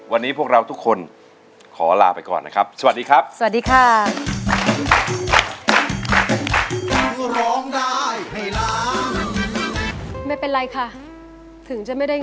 วันนี้พวกเราทุกคนขอลาไปก่อนนะครับสวัสดีครับ